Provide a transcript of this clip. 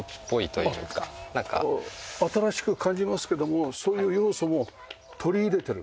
新しく感じますけどもそういう要素も取り入れている。